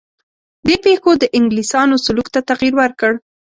دې پېښو د انګلیسیانو سلوک ته تغییر ورکړ.